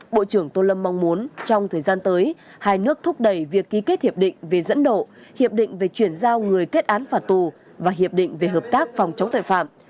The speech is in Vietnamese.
bộ trưởng tô lâm mong muốn trong thời gian tới hai nước thúc đẩy việc ký kết hiệp định về dẫn độ hiệp định về chuyển giao người kết án phạt tù và hiệp định về hợp tác phòng chống tội phạm